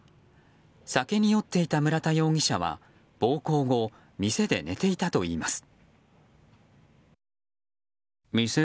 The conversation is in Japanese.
酒に酔っていた村田容疑者は暴行後店で寝ていたといいます。